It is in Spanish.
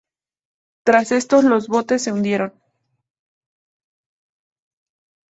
Tras esto los botes se hundieron.